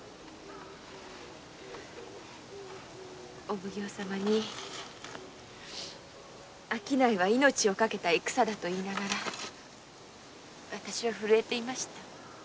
お奉行様に「商いは命を賭けた戦だ」と言いながらわたしは震えていました。